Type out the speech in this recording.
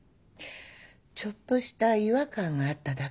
ちょっとした違和感があっただけ。